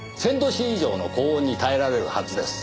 ℃以上の高温に耐えられるはずです。